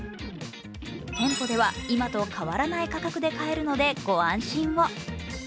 店舗では、今と変わらない価格で買えるのでご安心を。